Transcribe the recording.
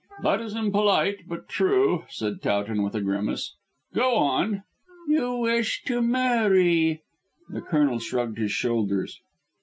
"That is impolite, but true," said Towton with a grimace. "Go on." "You wish to marry." The Colonel shrugged his shoulders.